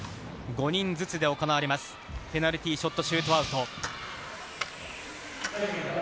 ５人ずつで行われます、ペナルティ・ショット・シュートアウト。